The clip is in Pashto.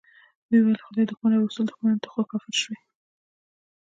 ويې ويل چې خدای دښمنه او رسول دښمنه، ته خو کافر شوې.